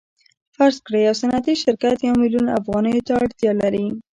فرض کړئ یو صنعتي شرکت یو میلیون افغانیو ته اړتیا لري